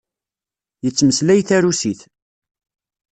Yettmeslay tarusit.